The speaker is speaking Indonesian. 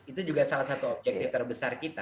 itu juga salah satu objektif terbesar kita